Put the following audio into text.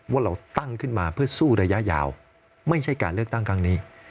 ว่าเราตั้งขึ้นมาเพื่อสู้ระยะยาวไม่ใช่การเลือกตั้งครั้งนี้